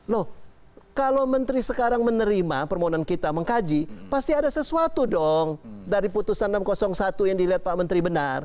loh kalau menteri sekarang menerima permohonan kita mengkaji pasti ada sesuatu dong dari putusan enam ratus satu yang dilihat pak menteri benar